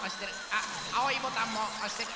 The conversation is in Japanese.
あっあおいボタンもおしてる。